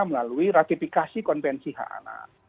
melalui ratifikasi konvensi hak anak